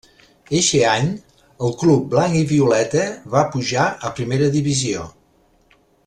Eixe any el club blanc-i-violeta va pujar a Primera Divisió.